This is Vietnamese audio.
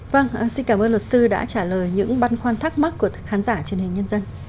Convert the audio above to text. vâng xin cảm ơn luật sư đã trả lời những băn khoăn thắc mắc của khán giả truyền hình nhân dân